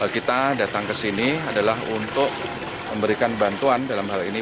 kita datang ke sini adalah untuk memberikan bantuan dalam hal ini